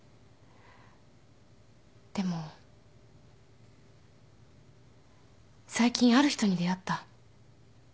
でも最近ある人に出会った